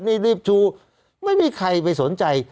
นี่รีบชูไม่มีใครไปสนใจ